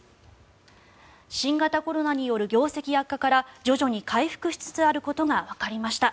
新型コロナによる業績悪化から徐々に回復しつつあることがわかりました。